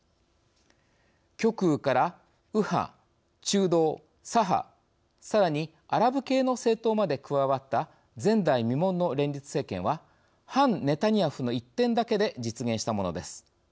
極右から右派中道左派さらにアラブ系の政党まで加わった前代未聞の連立政権は反ネタニヤフの１点だけで実現したものです。